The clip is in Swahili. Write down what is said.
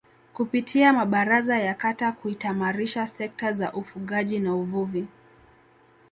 kupitia mabaraza ya Kata kutaimarisha sekta za ufugaji na uvuvi